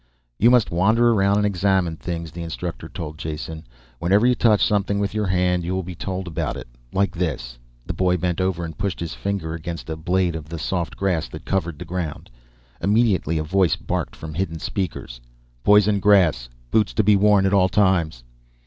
"You must wander around and examine things," the instructor told Jason. "Whenever you touch something with your hand, you will be told about it. Like this " The boy bent over and pushed his finger against a blade of the soft grass that covered the ground. Immediately a voice barked from hidden speakers. "Poison grass. Boots to be worn at all times."